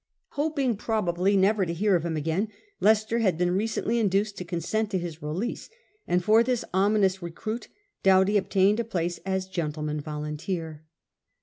Hoping probably never to hear of him again, Leicester had been recently induced to consent to his release, and for this ominous recruit Doughty obtained a place as gentleman volunteer.